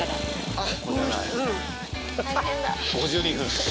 あっ！